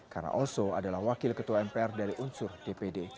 karena oso adalah wakil ketua mpr dari unsur dpd